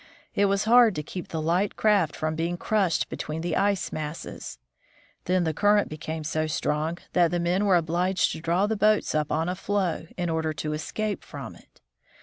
It was hard to keep the light craft from being crushed between the ice masses. Then the current became so strong that the men were obliged to draw the boats up on a floe, in order to escape from it.